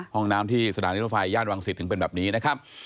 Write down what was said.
ห้องน้ำที่สถานีรถไฟย่านวังศิษย์ถึงเป็นแบบนี้นะครับ